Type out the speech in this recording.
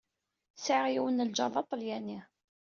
Sɛiɣ yiwen n lǧaṛ d aṭelyani.